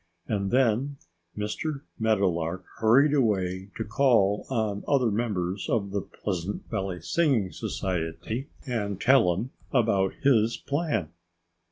And then Mr. Meadowlark hurried away to call on other members of the Pleasant Valley Singing Society and tell them about his plan.